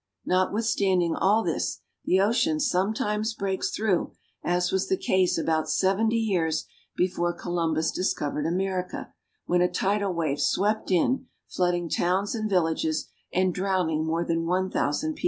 Notwithstanding all this, the ocean sometimes breaks through, as was the case about seventy years before Columbus discovered America, when a tidal wave swept in, flooding towns and villages, and drowning more than one thousand people.